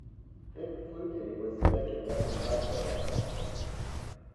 Dick Flutie was sick and had been hospitalized.